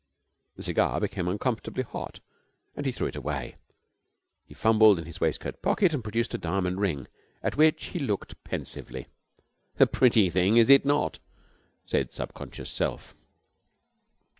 The cigar became uncomfortably hot, and he threw it away. He fumbled in his waistcoat pocket and produced a diamond ring, at which he looked pensively. 'A pretty thing, is it not?' said Subconscious Self.